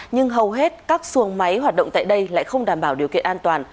nhưng hầu hết các xuồng máy hoạt động tại đây lại không đảm bảo điều kiện an toàn